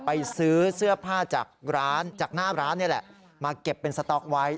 ไปซื้อเสื้อผ้าจากร้านจากหน้าร้านนี่แหละมาเก็บเป็นสต๊อกไว้